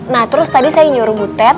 nah terus tadi saya nyuruh butet